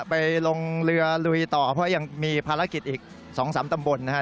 ไปลงเรือลุยต่อเพราะยังมีภารกิจอีก๒๓ตำบลนะฮะ